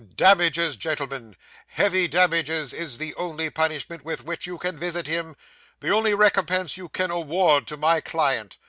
Damages, gentlemen heavy damages is the only punishment with which you can visit him; the only recompense you can award to my client.